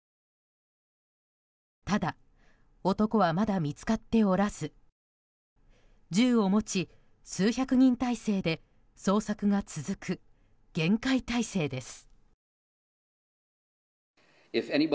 ただ、男はまだ見つかっておらず銃を持ち、数百人態勢で捜索が続く厳戒態勢です。